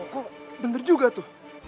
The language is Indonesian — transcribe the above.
kok bener juga tuh